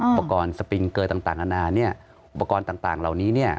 อุปกรณ์สปริงเกอร์ต่างอาณาอุปกรณ์ต่างเหล่านี้